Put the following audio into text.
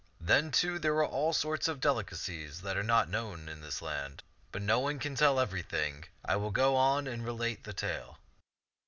Then, too, there were all sorts of delicacies that are not known in this land. But no one can tell everything ; I will go on and relate the tale.